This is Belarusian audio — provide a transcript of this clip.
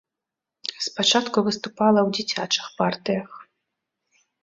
Спачатку выступала ў дзіцячых партыях.